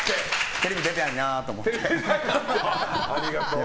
テレビ出たいなと思って。